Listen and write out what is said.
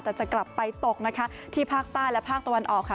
แต่จะกลับไปตกนะคะที่ภาคใต้และภาคตะวันออกค่ะ